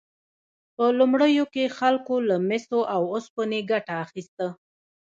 په لومړیو کې خلکو له مسو او اوسپنې ګټه اخیسته.